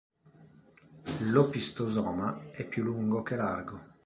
L'opistosoma è più lungo che largo.